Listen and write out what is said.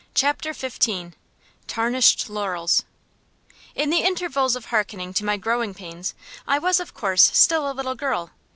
CHAPTER XV TARNISHED LAURELS In the intervals of harkening to my growing pains I was, of course, still a little girl.